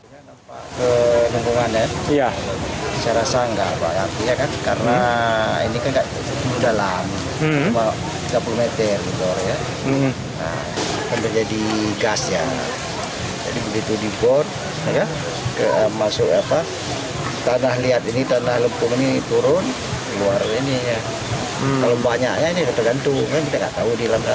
kalau banyaknya ini tergantung kita tidak tahu di lembaga